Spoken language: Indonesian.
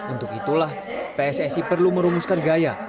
untuk itulah pssi perlu merumuskan gaya